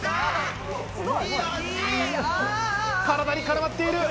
体に絡まっている。